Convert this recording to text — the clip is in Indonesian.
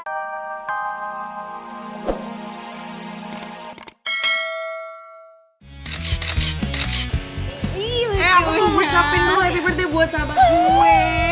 eh aku mau ngucapin dulu happy birthday buat sahabat gue